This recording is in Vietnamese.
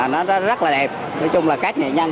nó rất là đẹp nói chung là các nghệ nhân